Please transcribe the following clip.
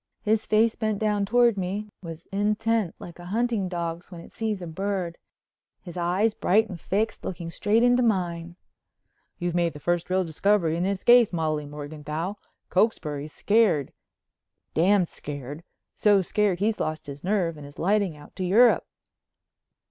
His face bent down toward me, was intent like a hunting dog's when it sees a bird, his eyes, bright and fixed, looking straight into mine. "You've made the first real discovery in this case, Molly Morganthau. Cokesbury's scared, d——d scared, so scared he's lost his nerve and is lighting out to Europe."